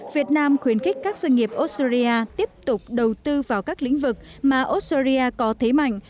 việt nam khuyến khích các doanh nghiệp australia tiếp tục đầu tư vào các lĩnh vực mà australia có thế mạnh